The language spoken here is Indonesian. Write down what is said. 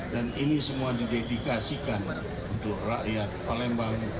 dan ini semua didedikasikan untuk rakyat palembang